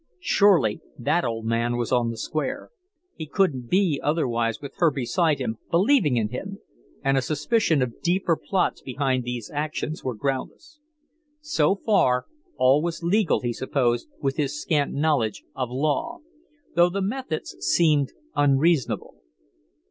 Surely that old man was on the square. He couldn't be otherwise with her beside him, believing in him; and a suspicion of deeper plots behind these actions was groundless. So far, all was legal, he supposed, with his scant knowledge of law; though the methods seemed unreasonable.